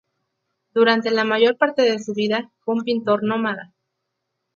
Durante la mayor parte de su vida, fue un pintor nómada.